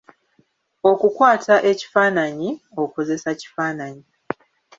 Okukwata ekifaananyi, okozesa kifaananyi.